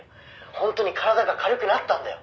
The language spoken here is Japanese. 「本当に体が軽くなったんだよ」